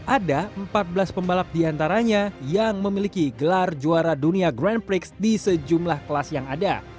ada empat belas pembalap diantaranya yang memiliki gelar juara dunia grand prix di sejumlah kelas yang ada